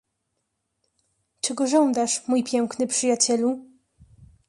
"Czego żądasz, mój piękny przyjacielu?"